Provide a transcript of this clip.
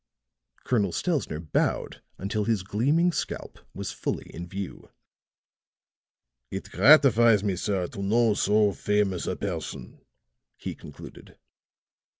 Colonel Stelzner bowed until his gleaming scalp was fully in view. "It gratifies me, sir, to know so famous a person," he concluded.